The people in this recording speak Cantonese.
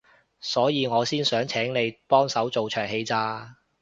所以我先想請你幫手做場戲咋